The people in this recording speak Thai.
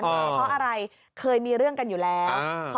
เพราะอะไรเคยมีเรื่องกันอยู่แล้ว